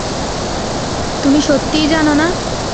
তুমি সত্যিই জান না?